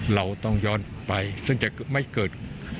เราต้องย้อนไปซึ่งจะไม่เกิด